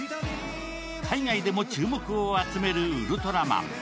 海外でも注目を集める「ウルトラマン」。